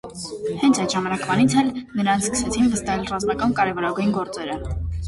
Հենց այդ ժամանակվանից էլ նրան սկսեցին վստահել ռազմական կարևորագույն գործերը։